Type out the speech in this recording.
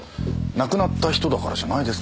亡くなった人だからじゃないですか？